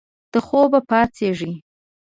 د خوب پاڅیږې